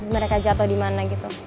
mereka jatoh dimana gitu